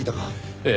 ええ。